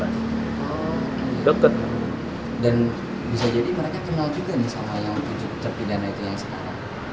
dan bisa jadi mereka kenal juga nih sama yang tujuh terpidana itu yang sekarang